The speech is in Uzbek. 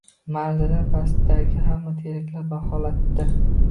Marzadan pastdagi hamma teraklarni baholatdi